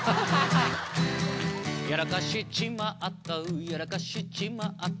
やらかしちまったやらかしちまった